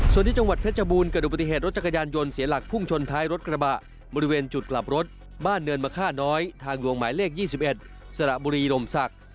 ส่วนที่จังหวัดเพชรบูรณเกิดอุบัติเหตุรถจักรยานยนต์เสียหลักพุ่งชนท้ายรถกระบะบริเวณจุดกลับรถบ้านเนินมะค่าน้อยทางหลวงหมายเลข๒๑สระบุรีลมศักดิ์